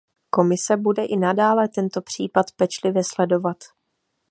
Komise bude i nadále tento případ pečlivě sledovat.